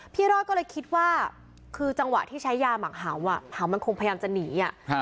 พี่รอดก็เลยคิดว่าคือจังหวะที่ใช้ยาหมักเห่าเห่ามันคงพยายามจะหนี